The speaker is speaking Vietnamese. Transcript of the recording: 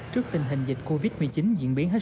trước tình hình dịch covid một mươi chín diễn biến hết